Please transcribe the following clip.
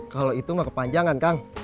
kalau itu mah kepanjangan kang